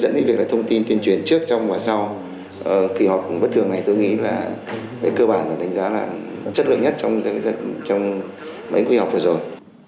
chẳng những việc là thông tin tuyên truyền trước trong và sau kỳ họp bất thường này tôi nghĩ là cơ bản và đánh giá là chất lượng nhất trong mấy kỳ họp vừa rồi